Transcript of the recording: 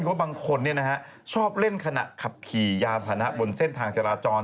เพราะบางคนชอบเล่นขณะขับขี่ยานพานะบนเส้นทางจราจร